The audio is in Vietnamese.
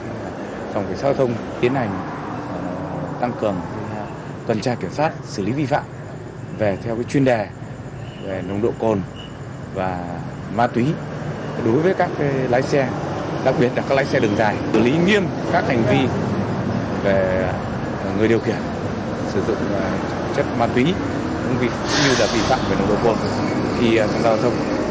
lý nghiêm các hành vi về người điều kiện sử dụng chất ma túy cũng như là vi phạm về nồng độ cồn khi trận giao thông